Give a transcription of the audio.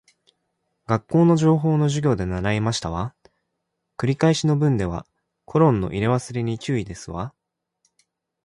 学校の情報の授業で習いましたわ。繰り返し文ではコロンの入れ忘れに注意ですわ